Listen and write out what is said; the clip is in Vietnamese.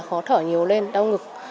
khó thở nhiều lên đau ngực